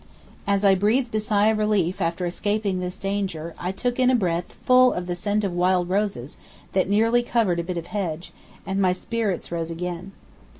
As I breathed a sigh of relief after escaping this danger I took in a breath full of the scent of wild roses that nearly covered a bit of hedge, and my spirits rose again.